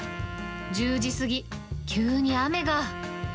１０時過ぎ、急に雨が。